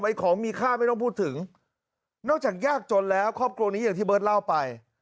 ของมีค่าไม่ต้องพูดถึงนอกจากยากจนแล้วครอบครัวนี้อย่างที่เบิร์ตเล่าไป